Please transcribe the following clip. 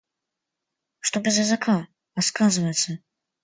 Что без языка, а сказывается?